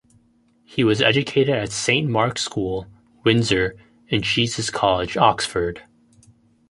He was educated at Saint Mark's school, Windsor and Jesus College, Oxford.